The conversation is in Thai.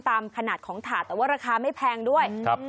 ตามขนาดของถาดแต่ว่าราคาไม่แพงด้วย